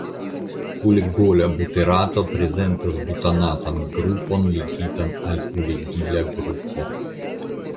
Pulegola buterato prezentas butanatan grupon ligitan al pulegila grupo.